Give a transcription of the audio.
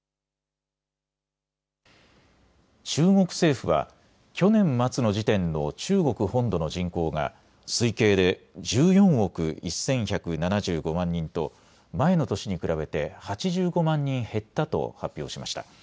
中国政府は去年末の時点の中国本土の人口が推計で１４億１１７５万人と前の年に比べて８５万人減ったと発表しました。